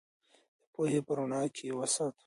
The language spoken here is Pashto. د پوهې په رڼا کې یې وساتو.